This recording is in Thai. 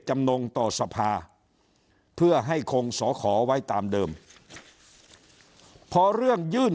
จำนงต่อสภาเพื่อให้คงสอขอไว้ตามเดิมพอเรื่องยื่น